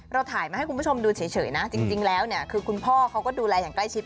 ถ่ายมาให้คุณผู้ชมดูเฉยนะจริงแล้วเนี่ยคือคุณพ่อเขาก็ดูแลอย่างใกล้ชิด